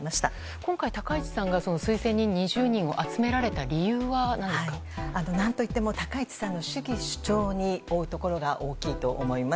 今回、高市さんが推薦人２０人を集められた理由は何ですか。何といっても高市さんの主義主張によるところが大きいと思います。